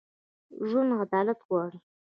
ژوندي عدالت غواړي